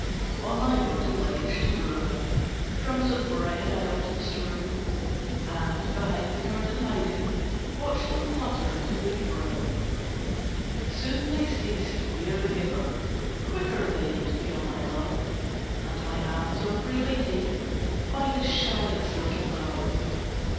On my window ledge, to lure them, Crumbs of bread I often strew, And, behind the curtain hiding, Watch them flutter to and fro. Soon they cease to fear the giver, Quick are they to feel my love, And my alms are freely taken By the shyest little dove.